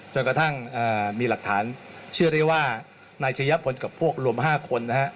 จนกระทั่งมีหลักฐานเชื่อได้ว่านายเฉยับคนกับพวกรวม๕คน